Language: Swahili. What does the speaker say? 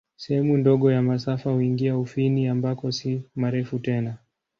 Sehemu ndogo ya masafa huingia Ufini, ambako si marefu tena.